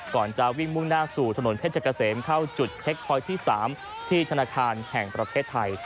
ก่อนจะวิ่งมุ่งหน้าสู่ถนนเพชรเกษมเข้าจุดเทคพลอยที่๓ที่ธนาคารแห่งประเทศไทย